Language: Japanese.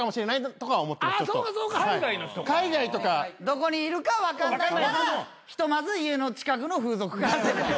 どこにいるか分かんないからひとまず家の近くの風俗から。